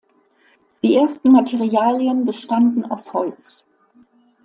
Die ersten Materialien bestanden aus Holz.